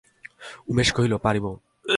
উমেশ কহিল, পারিব।